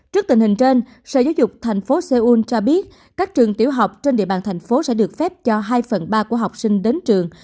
trước tình hình trên sở giáo dục thành phố seoul cho biết các trường tiểu học trên địa bàn thành phố sẽ được phép cho hai phần ba của học sinh đến trường